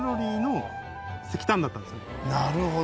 なるほど。